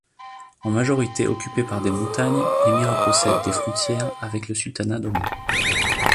En majorité occupé par des montagnes, l'émirat possède des frontières avec le sultanat d'Oman.